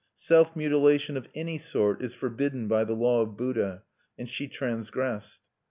Self mutilation of any sort is forbidden by the law of Buddha; and she transgressed.